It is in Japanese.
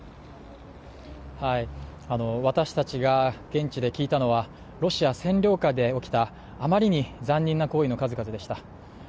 私たちが現地で聞いたのは、ロシア占領下で起きたあまりに残忍な行為の数々でした。